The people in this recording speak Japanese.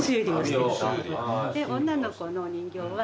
女の子のお人形は。